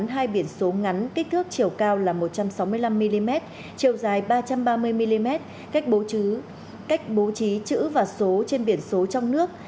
hai biển số ngắn kích thước chiều cao là một trăm sáu mươi năm mm chiều dài ba trăm ba mươi mm cách bố trí chữ và số trên biển số trong nước